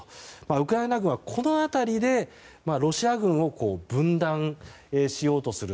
ウクライナ軍はこの辺りでロシア軍を分断しようとする。